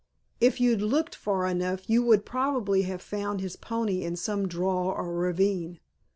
"If you'd looked far enough you would probably have found his pony in some draw or ravine.